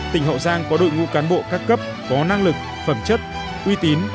tỉnh hậu giang có đội ngũ cán bộ các cấp có năng lực phẩm chất uy tín